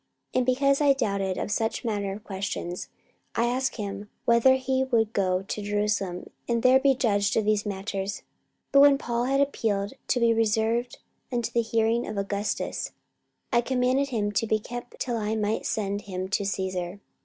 44:025:020 And because I doubted of such manner of questions, I asked him whether he would go to Jerusalem, and there be judged of these matters. 44:025:021 But when Paul had appealed to be reserved unto the hearing of Augustus, I commanded him to be kept till I might send him to Caesar.